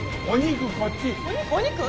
お肉？